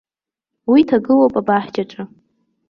Уи ҭагылоуп абаҳчаҿы.